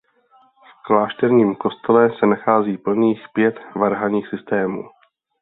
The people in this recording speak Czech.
V klášterním kostele se nachází plných pět varhanních systémů.